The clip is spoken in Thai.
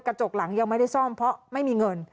กระจกหลังยังไม่ได้ซ่อมเพราะไม่มีเงิน